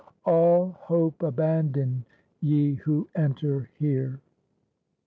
All hope abandon, ye who enter here."